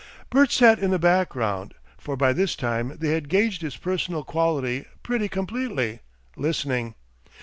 Bert sat in the background for by this time they had gauged his personal quality pretty completely listening.